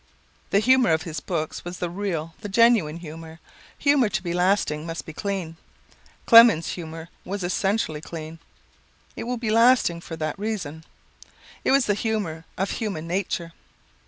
The humor of his books was the real, the genuine humor. Humor to be lasting, must be clean. Clemens humor was essentially clean. It will be lasting for that reason. It was the humor of human nature.